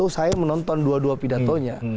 saya menonton dua dua pidatonya